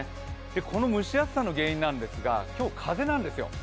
この蒸し暑さの原因なんですが今日、風なんですよ。